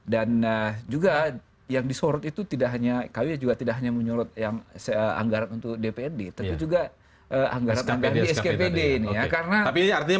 dan juga yang disorot itu tidak hanya kami juga tidak hanya menyorot yang anggaran untuk dprd tapi juga anggaran anggaran di skpd ini ya